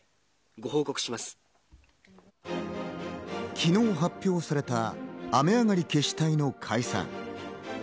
昨日発表された雨上がり決死隊の解散。